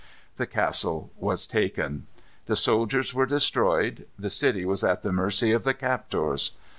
The castle was taken. The soldiers were destroyed. The city was at the mercy of the captors.